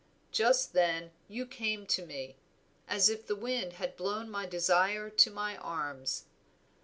Just then you came to me, as if the wind had blown my desire to my arms.